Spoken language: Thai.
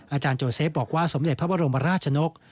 อาจารย์โจเซฟบอกว่าสมเด็จพระบรมราชนก